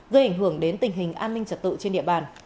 gây ảnh hưởng đến tình hình an ninh trật tự trên địa bàn